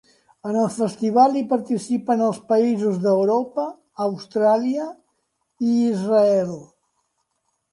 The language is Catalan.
En el festival hi participen els països d'Europa, Austràlia i Israel.